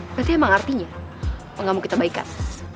berarti emang artinya lo gak mau kita baikan